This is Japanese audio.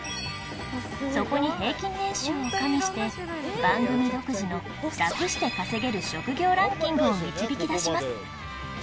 そこに平均年収を加味して番組独自のラクして稼げる職業ランキングを導き出します